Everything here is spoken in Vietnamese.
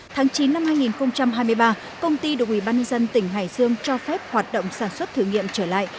tháng chín năm hai nghìn hai mươi ba công ty được ubnd tỉnh hải dương cho phép hoạt động sản xuất thử nghiệm trở lại